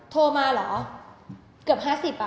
โทรมาเหรอเกือบห้าสิบอะ